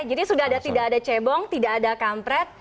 jadi sudah ada tidak ada cebong tidak ada kampret